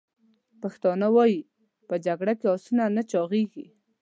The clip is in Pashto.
پښتانه وایي: « په جګړه کې اسونه نه چاغیږي!»